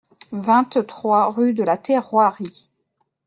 vingt-trois rue de la Terroirie